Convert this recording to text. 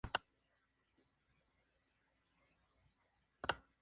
El episodio fue escrito por John Swartzwelder y dirigido por Steven Dean Moore.